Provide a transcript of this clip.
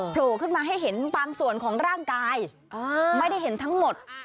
โผล่ขึ้นมาให้เห็นบางส่วนของร่างกายไม่ได้เห็นทั้งหมด